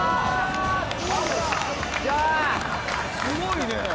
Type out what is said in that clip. すごいね。